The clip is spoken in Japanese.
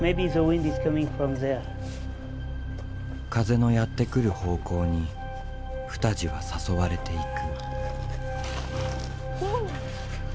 風のやって来る方向にプタジは誘われていく。